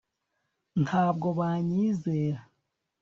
ntabwo banyizera